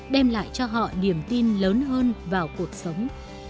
đem lại cho họ niềm tin lớn hơn vào cuộc sống